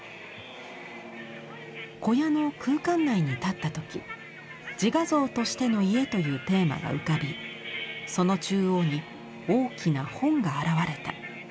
「小屋の空間内に立った時『自画像としての家』というテーマが浮かびその中央に『大きな本』が現れた。